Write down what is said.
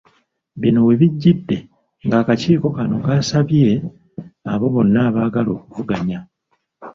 Bino we bijjidde ng’akakiiiko kano kasabye abo bonna abaagala okuvuganya.